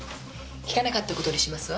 聞かなかった事にしますわ。